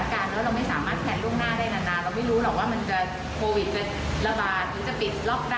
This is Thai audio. ลูกก็โตขึ้น